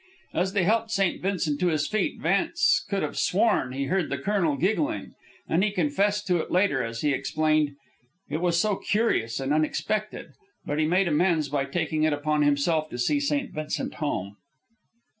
As they helped St. Vincent to his feet, Vance could have sworn he heard the colonel giggling. And he confessed to it later, as he explained, "It was so curious and unexpected." But he made amends by taking it upon himself to see St. Vincent home.